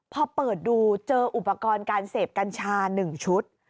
พอเปิดดูเจออุปกรณ์การเสพกัญชา๑ชุด